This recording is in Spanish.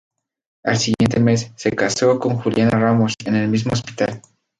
Al siguiente mes, se casó con Juliana Ramos en el mismo hospital.